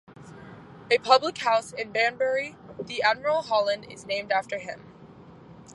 A public house in Banbury, The Admiral Holland, is named after him.